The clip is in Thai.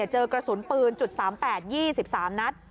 เจอกระสุนปืน๐๓๘ยี่สิบสามนัด